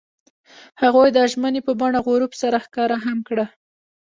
هغوی د ژمنې په بڼه غروب سره ښکاره هم کړه.